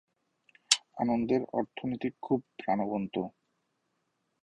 আনন্দের অর্থনীতি খুব প্রাণবন্ত।